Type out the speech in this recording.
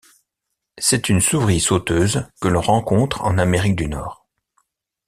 C'est une souris sauteuse que l'on rencontre en Amérique du Nord.